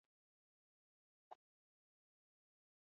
Ez da gauza bera pop jaialdi batera edota rock festibal batera joatea.